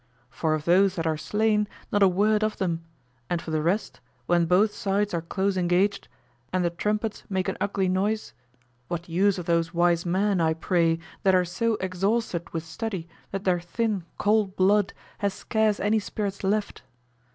For of those that are slain, not a word of them; and for the rest, when both sides are close engaged "and the trumpets make an ugly noise," what use of those wise men, I pray, that are so exhausted with study that their thin, cold blood has scarce any spirits left?